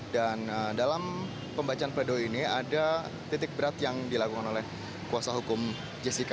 dan dalam pembacaan pledo ini ada titik berat yang dilakukan oleh kuasa hukum jessica